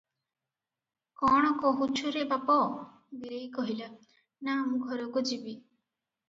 କଣ କହୁଛୁ ରେ ବାପ?" ବୀରେଇ କହିଲା, " ନା ମୁଁ ଘରକୁ ଯିବି ।"